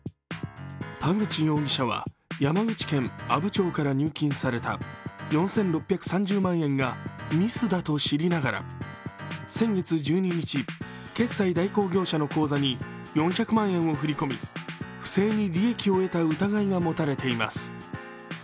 田口容疑者は山口県阿武町から入金された４６３０万円がミスだと知りながら先月１２日決済代行業者の口座に４００万円を振り込み、不正に利益を得た疑いが持たれています。